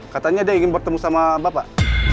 katanya dia ingin bertemu sama bapak